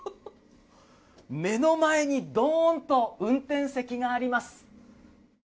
目の前にドーンと運転席があります。